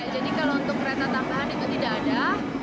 jadi kalau untuk kereta tanpaan itu tidak ada